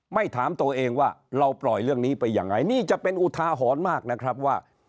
ถามตัวเองว่าเราปล่อยเรื่องนี้ไปยังไงนี่จะเป็นอุทาหรณ์มากนะครับว่า